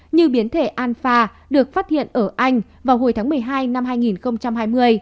như biến thể anfa được phát hiện ở anh vào hồi tháng một mươi hai năm hai nghìn hai mươi